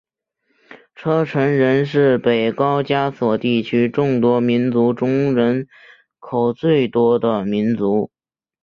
车臣人是北高加索地区众多民族中人口最多的民族。